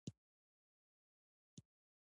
تاریخ د افغانانو د تفریح یوه وسیله ده.